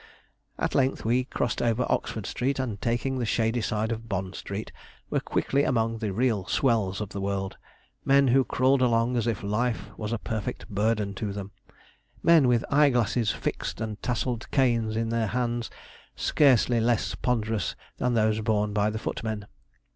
At length we crossed over Oxford Street, and taking the shady side of Bond Street, were quickly among the real swells of the world men who crawled along as if life was a perfect burden to them men with eye glasses fixed and tasselled canes in their hands, scarcely less ponderous than those borne by the footmen.